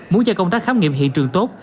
muốn cho công tác khám nghiệm hiện trường tốt